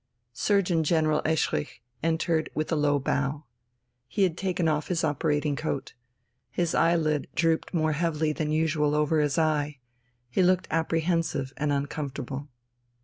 Surgeon General Eschrich entered with a low bow. He had taken off his operating coat. His eyelid drooped more heavily than usual over his eye. He looked apprehensive and uncomfortable.